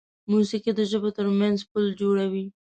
موسیقي د ژبو تر منځ پل جوړوي.